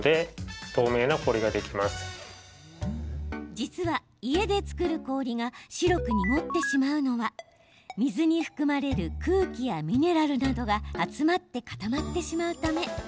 実は、家で作る氷が白く濁ってしまうのは水に含まれる空気やミネラルなどが集まって固まってしまうため。